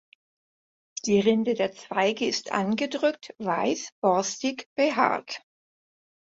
Die Rinde der Zweige ist angedrückt weiß borstig behaart.